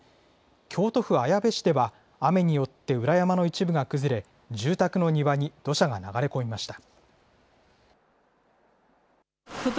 京都府綾部市では、雨によって裏山の一部が崩れ、住宅の庭に土砂が流れ込みました。